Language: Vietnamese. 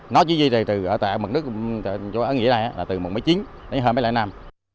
nó chỉ duy trì từ mực nước ở nghỉa này là từ mùng một mươi chín đến hơn mấy lần năm